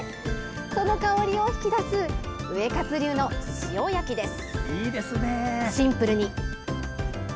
その香りを引き出すウエカツ流の塩焼きです。